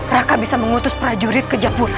raka bisa mengutus prajurit ke jagung